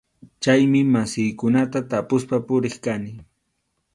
Chaymi masiykunata tapuspa puriq kani.